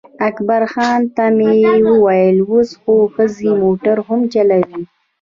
اکبرخان ته مې وویل اوس خو ښځې موټر هم چلوي.